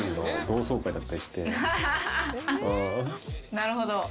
なるほど。